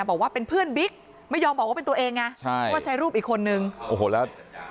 บอกว่าเป็นเพื่อนบิ๊กไม่ยอมบอกว่าเป็นตัวเองไงใช่ก็ใช้รูปอีกคนนึงโอ้โหแล้ว